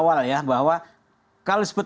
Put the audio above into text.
awal ya bahwa kalau disebut